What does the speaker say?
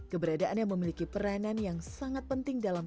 keberadaannya memiliki peranan yang sangat penting dalam